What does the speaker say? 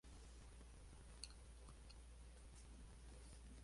Usan hidrógeno para reducir el dióxido de carbono.